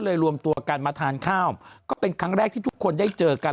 รวมตัวกันมาทานข้าวก็เป็นครั้งแรกที่ทุกคนได้เจอกัน